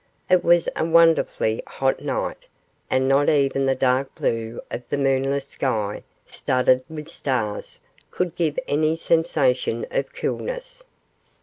It was a wonderfully hot night, and not even the dark blue of the moonless sky, studded with stars, could give any sensation of coolness.